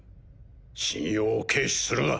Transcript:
信用を軽視するな。